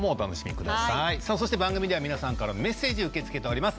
そして、番組では皆さんからのメッセージを受け付けております。